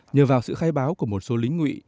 nhờ vào sự khai báo của một số lính ngụy